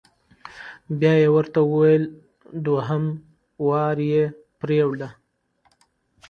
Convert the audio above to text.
بیا یې ورته وویل: دویم ځل یې ووینځه.